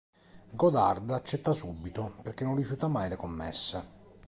Godard accetta subito, perché non rifiuta mai le commesse.